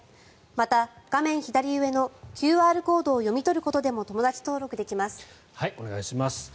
また、画面左上のＱＲコードを読み取ることでもよろしくお願いします。